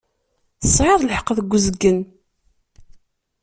Tesɛiḍ lḥeqq deg uzgen.